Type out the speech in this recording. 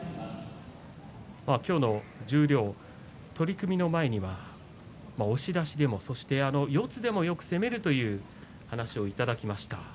今日の十両、取組の前には押し出しでも四つでもよく攻めるという話をしていただきました。